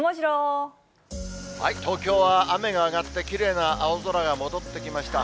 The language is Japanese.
東京は雨が上がって、きれいな青空が戻ってきました。